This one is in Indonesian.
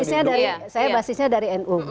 saya basisnya dari nu